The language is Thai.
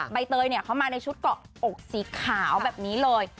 ใบเตยเขามาในชุดเกาะอกสีขาวแบบนี้เลย